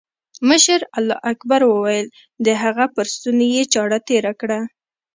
مشر الله اکبر وويل د هغه پر ستوني يې چاړه تېره کړه.